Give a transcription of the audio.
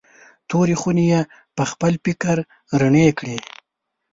تورې خونې یې پخپل فکر رڼې کړې.